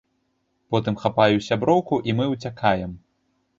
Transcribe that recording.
Потым хапаю сяброўку, і мы ўцякаем.